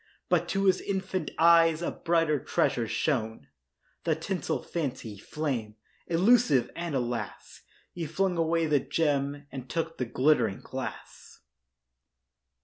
But to his infant eyes A brighter treasure shone— The tinsel Fancy, flame Illusive; and alas, He flung away the gem And took the glittering glass.